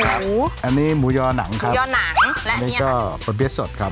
หมูอันนี้หมูยอหนังครับหมูยอหนังและอันนี้ก็ปะเี้ยสดครับ